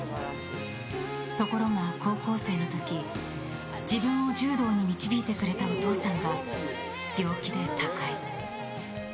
ところが、高校生の時自分を柔道に導いてくれたお父さんが病気で他界。